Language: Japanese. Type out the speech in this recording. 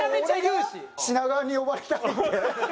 「品川に呼ばれたい」って？